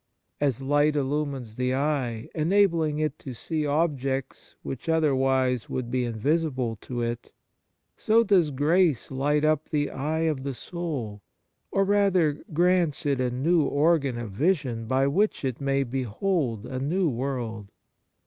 As light illumines the eye, enabling it to see objects which otherwise would be invisible to it, so does grace light up the eye of the soul, or, rather, grants it a new organ of vision by which it may behold a new world.